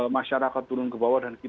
masyarakat turun ke bawah dan lepaskan